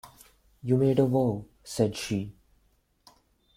“You made a vow,” said she.